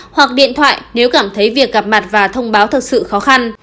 hoặc điện thoại nếu cảm thấy việc gặp mặt và thông báo thật sự khó khăn